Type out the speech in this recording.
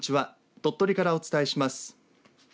鳥取からお伝えします。